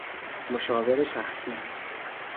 مشاور شخصی